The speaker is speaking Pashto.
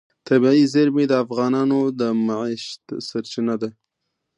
طبیعي زیرمې د افغانانو د معیشت سرچینه ده.